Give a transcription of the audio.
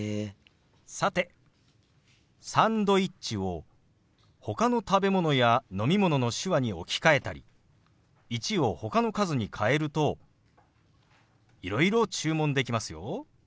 さて「サンドイッチ」をほかの食べ物や飲み物の手話に置き換えたり「１」をほかの数に変えるといろいろ注文できますよ。